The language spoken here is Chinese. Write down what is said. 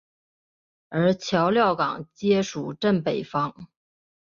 而禾寮港街属镇北坊。